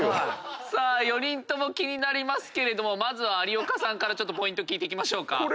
さあ４人とも気になりますけどまずは有岡さんからポイント聞いていきましょうか。